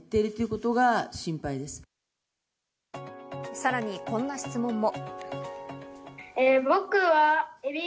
さらに、こんな質問も。